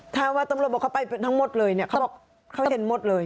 ถ้าว่าตำรวจบอกเขาไปทั้งหมดเลยเนี่ยเขาบอกเขาเห็นหมดเลย